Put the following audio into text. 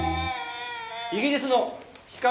イギリスの比較